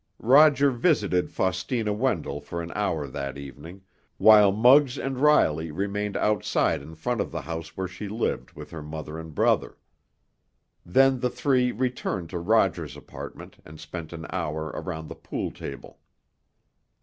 Roger visited Faustina Wendell for an hour that evening, while Muggs and Riley remained outside in front of the house where she lived with her mother and brother. Then the three returned to Roger's apartment and spent an hour around the pool table.